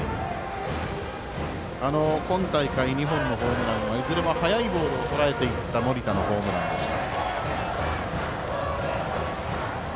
今大会、２本のホームランはいずれも速いボールをとらえた森田のホームランでした。